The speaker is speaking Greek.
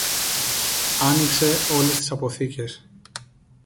άνοιξε όλες τις αποθήκες